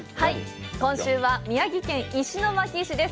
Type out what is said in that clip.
今週は、宮城県石巻市です。